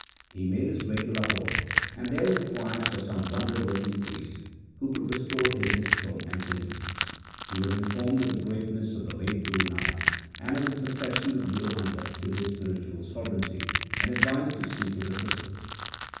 He made his way to Lahore, and there inquired for some wonder working priest who could restore him his throne and kingdom. He was informed of the greatness of the late Guru Nanak and of the succession of Guru Angad to his spiritual sovereignty, and advised to seek his assistance.